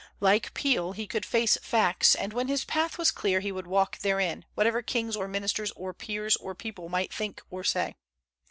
Like Peel, he could face facts; and when his path was clear he would walk therein, whatever kings or ministers or peers or people might think or say.